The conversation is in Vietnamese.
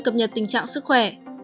cập nhật tình trạng sức khỏe